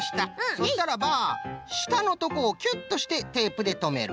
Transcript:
そしたらばしたのとこをキュッとしてテープでとめる。